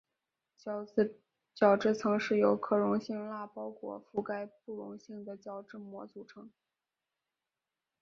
角质层是由可溶性蜡包裹覆盖不溶性的角质膜组成。